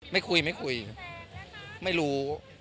ไม่คุยไม่รู้